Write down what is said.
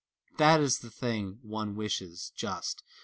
That is the thing one wishes, just!